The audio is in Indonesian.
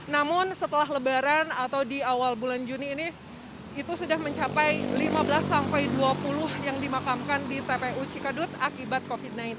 namun setelah lebaran atau di awal bulan juni ini itu sudah mencapai lima belas sampai dua puluh yang dimakamkan di tpu cikadut akibat covid sembilan belas